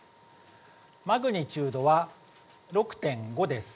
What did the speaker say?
マグニチュードは６．５です。